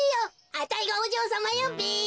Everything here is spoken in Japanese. あたいがおじょうさまよべ！